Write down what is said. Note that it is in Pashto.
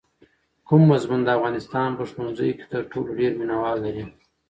کوم مضمون د افغانستان په ښوونځیو کې تر ټولو ډېر مینه وال لري؟